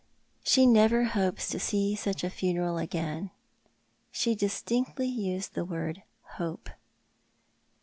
She never hopes to see such a funeral again. She distinctly used the word hope.